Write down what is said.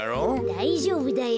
だいじょうぶだよ。